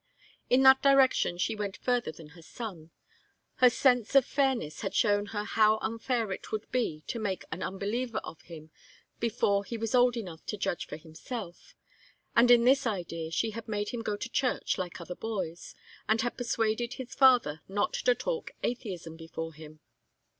In that direction she went further than her son. Her sense of fairness had shown her how unfair it would be to make an unbeliever of him before he was old enough to judge for himself, and in this idea she had made him go to church like other boys, and had persuaded his father not to talk atheism before him.